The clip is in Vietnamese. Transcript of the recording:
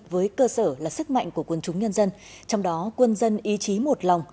với cơ sở là sức mạnh của quân chúng nhân dân trong đó quân dân ý chí một lòng